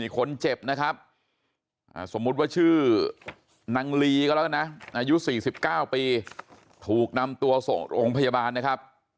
คนเจ็บนะครับสมมุติว่าชื่อนางลีก็แล้วกันนะอายุ๔๙ปีถูกนำตัวส่งโรงพยาบาลนะครับ